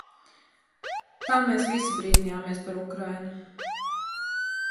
Tā mēs visi brīnījāmies par Ukrainu.